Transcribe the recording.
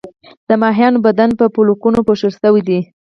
د کبانو بدن په پولکونو پوښل شوی دی